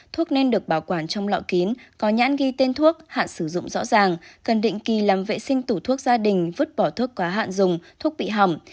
thuốc nên được bảo quản trong lọ kín có nhãn ghi tên thuốc hạn sử dụng rõ ràng cần định kỳ làm vệ sinh tủ thuốc gia đình vứt bỏ thuốc quá hạn dùng thuốc bị hỏng